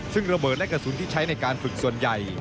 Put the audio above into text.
ซึ่งระเบิดและกระสุนที่ใช้ในการฝึกส่วนใหญ่